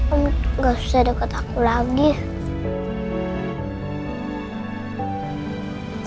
om gak susah deket aku lagi